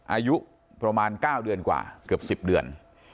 อายุประมาณ๙เดือนกว่าเกือบ๑๐เดือน